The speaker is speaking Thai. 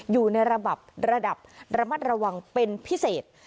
อยู่ในระดับระดับระมัดระวังเป็นพิเศษ